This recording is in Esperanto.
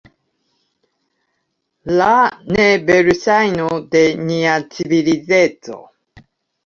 La neverŝajno de nia civilizeco.